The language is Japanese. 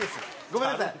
ごめんなさい。